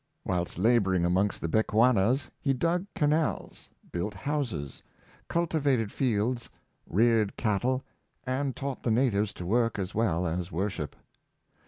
'' Whilst laboring amongst the Bechuanas, he dug canals, built houses, cultivated fields, reared cattle, and taught the natives to work as well as worship.